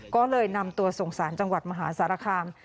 ก็เลยนำตัวส่งสารจังหวัดมหาสารคาม